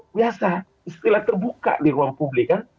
biasa istilah terbuka di ruang publik kan